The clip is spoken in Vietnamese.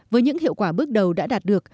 với những hiệu quả bước đầu đã đạt được